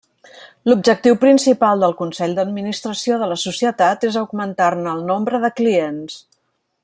L'objectiu principal del Consell d'Administració de la societat és augmentar-ne el nombre de clients.